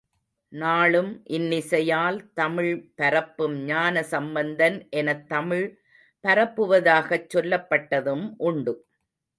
நாளும் இன்னிசையால் தமிழ் பரப்பும் ஞான சம்பந்தன் எனத் தமிழ் பரப்புவதாகச் சொல்லப்பட்டதும் உண்டு.